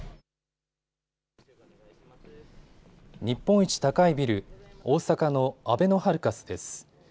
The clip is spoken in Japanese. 日本一高いビル、大阪のあべのハルカスです。